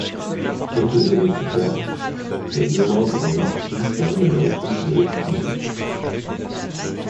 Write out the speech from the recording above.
Quelques années plus tard, la demande en whisky permet une reprise de l'activité.